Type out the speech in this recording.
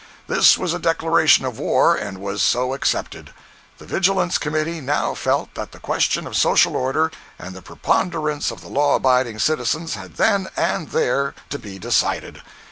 This was a declaration of war, and was so accepted. The Vigilance Committee now felt that the question of social order and the preponderance of the law abiding citizens had then and there to be decided.